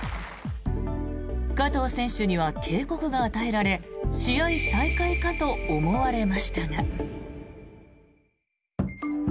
加藤選手には警告が与えられ試合再開かと思われましたが。